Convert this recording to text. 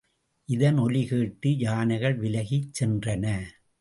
இதன் ஒலி கேட்டு யானைகள் விலகிச் சென்றன.